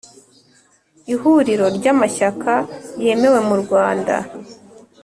ihuriro ry'amashyaka yemewe mu rwanda.